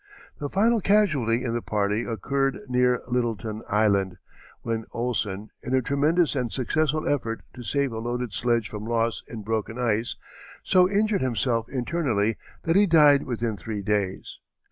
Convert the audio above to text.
The final casualty in the party occurred near Littleton Island, when Ohlsen, in a tremendous and successful effort to save a loaded sledge from loss in broken ice, so injured himself internally that he died within three days.